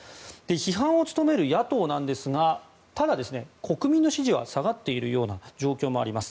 批判を務める野党なんですがただ、国民の支持は下がっているような状況もあります。